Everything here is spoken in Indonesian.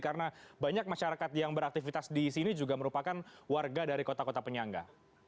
karena banyak masyarakat yang beraktivitas di sini juga merupakan warga dari kota kota penyangga